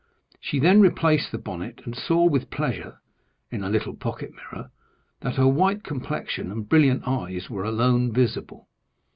She then replaced the bonnet, and saw with pleasure, in a little pocket mirror, that her white complexion and brilliant eyes were alone visible.